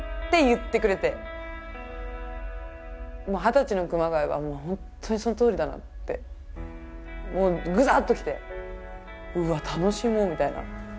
二十歳の熊谷はもう本当にそのとおりだなってぐさっと来てうわっ楽しもうみたいな。